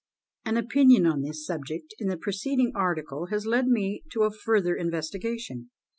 An opinion on this subject in the preceding article has led me to a further investigation.